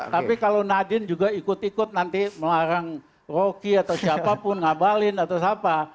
tapi kalau nadiem juga ikut ikut nanti melarang rocky atau siapapun ngabalin atau siapa